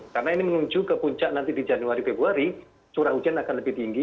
karena ini menuju ke puncak nanti di januari februari curah hujan akan lebih tinggi